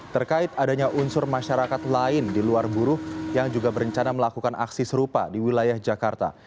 terkait adanya unsur masyarakat lain di luar buruh yang juga berencana melakukan aksi serupa di wilayah jakarta